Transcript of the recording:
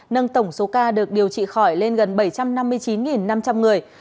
nâng tổng số ca được điều trị khỏi lên gần bảy trăm năm mươi chín năm trăm linh người